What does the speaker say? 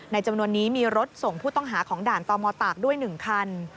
จำนวนนี้มีรถส่งผู้ต้องหาของด่านตมตากด้วย๑คัน